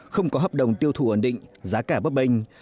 không có hợp đồng tiêu thù ổn định giá cả bấp bình